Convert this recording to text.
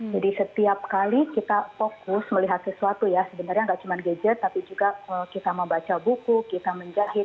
jadi setiap kali kita fokus melihat sesuatu ya sebenarnya tidak cuma gadget tapi juga kita membaca buku kita menjahit